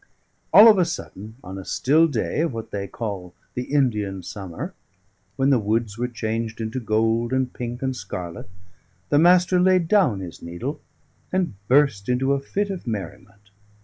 All of a sudden, on a still day of what they call the Indian Summer, when the woods were changed into gold and pink and scarlet, the Master laid down his needle and burst into a fit of merriment.